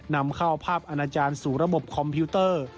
นำเข้าภาพอาณาจารย์สู่ระบบคอมพิวเตอร์